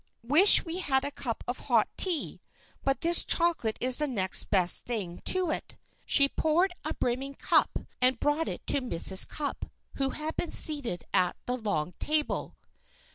Wish we had a cup of hot tea. But this chocolate is the next best thing to it." She poured a brimming cup and brought it to Mrs. Cupp, who had been seated at the long table.